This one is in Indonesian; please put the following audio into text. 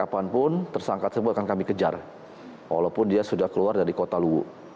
sampai kapanpun tersangkat semua akan kami kejar walaupun dia sudah keluar dari kota luwu